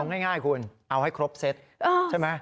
เอาให้ง่ายคุณเอาให้ครบเสร็จใช่ไหม